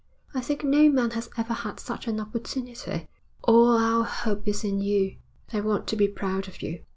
I think no man has ever had such an opportunity. All our hope is in you. I want to be proud of you.